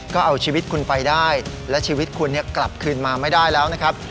ก็เอาชีวิตคุณไปได้และชีวิตคุณกลับคืนมาไม่ได้แล้วนะครับ